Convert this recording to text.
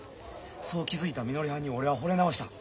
そう気付いたみのりはんに俺はほれ直した。